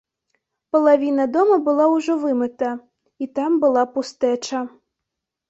Палавіна дома была ўжо вымыта, і там была пустэча.